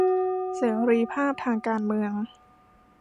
เสรีภาพทางการเมือง